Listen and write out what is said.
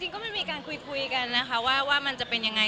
ก็มันมีการคุยกันนะคะว่ามันจะเป็นยังไง